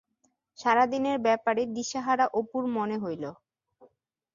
সারাদিনের ব্যাপারে দিশেহারা অপুর মনে হইল।